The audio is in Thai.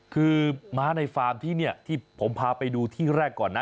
คือม้าในฟาร์มที่นี่ที่ผมพาไปดูที่แรกก่อนนะ